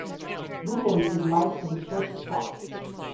Windows give light to the church itself.